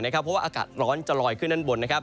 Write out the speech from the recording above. เพราะว่าอากาศร้อนจะลอยขึ้นด้านบน